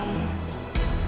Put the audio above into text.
dan menggantikan mama kamu